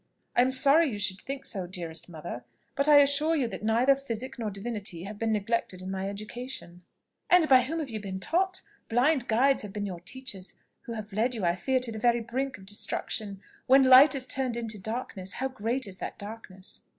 "I am sorry you should think so, dearest mother; but I assure you that neither physic nor divinity have been neglected in my education." "And by whom have you been taught? Blind guides have been your teachers, who have led you, I fear, to the very brink of destruction. When light is turned into darkness, how great is that darkness!"